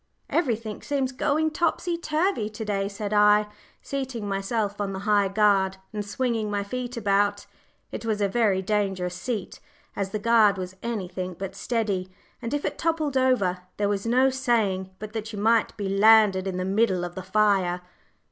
"Everything seems going topsy turvy to day," said I, seating myself on the high guard, and swinging my feet about. It was a very dangerous seat, as the guard was anything but steady, and if it toppled over, there was no saying but that you might be landed in the middle of the fire.